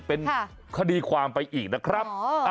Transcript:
เป็นคดีความไปอีกนะครับ